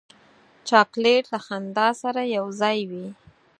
چاکلېټ له خندا سره یو ځای وي.